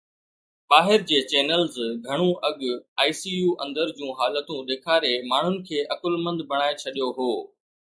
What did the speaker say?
ٻاهر جي چينلز گهڻو اڳ ICU اندر جون حالتون ڏيکاري ماڻهن کي عقلمند بڻائي ڇڏيو هو